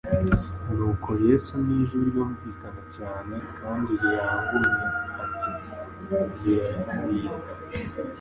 nuko Yesu n'ijwi ryumvikana cyane kandi rirangumye ati : "Birarangiye."